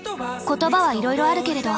言葉はいろいろあるけれど。